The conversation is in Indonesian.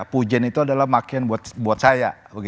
pujian itu adalah makin buat saya